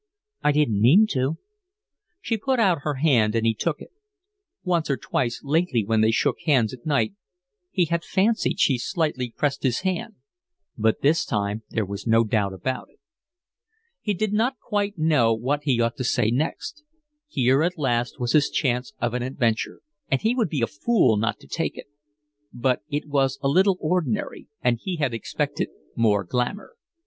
"I didn't mean to." She put out her hand and he took it. Once or twice lately when they shook hands at night he had fancied she slightly pressed his hand, but this time there was no doubt about it. He did not quite know what he ought to say next. Here at last was his chance of an adventure, and he would be a fool not to take it; but it was a little ordinary, and he had expected more glamour.